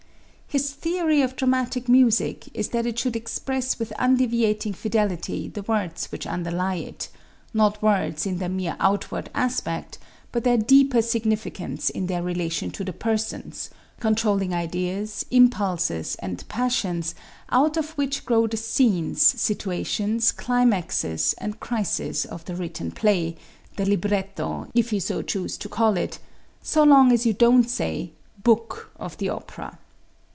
His theory of dramatic music is that it should express with undeviating fidelity the words which underly it; not words in their mere outward aspect, but their deeper significance in their relation to the persons, controlling ideas, impulses and passions out of which grow the scenes, situations, climaxes and crises of the written play, the libretto, if so you choose to call it so long as you don't say "book of the opera."